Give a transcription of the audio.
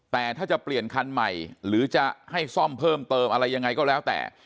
แต่ถ้าจะเปลี่ยนคันใหม่หรือจะให้ซ่อมเพิ่มเติมอะไรยังไงก็แล้วแต่